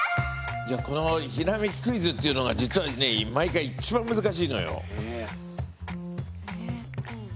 このひらめきクイズっていうのが実はね毎回一番難しいのよ。え！？え？